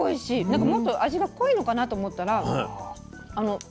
なんかもっと味が濃いのかなと思ったらいいお味。